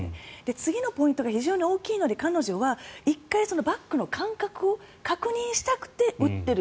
次のポイントが非常に大きいので彼女は１回バックの感覚を確認したくて打っている。